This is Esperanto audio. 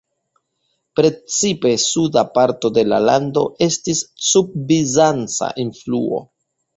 Precipe suda parto de la lando estis sub bizanca influo.